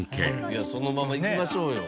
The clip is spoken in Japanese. いやそのままいきましょうよ。